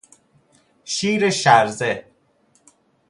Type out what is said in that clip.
شیر شرزه